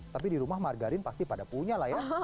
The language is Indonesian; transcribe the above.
tapi di rumah margarin pasti pada punya lah ya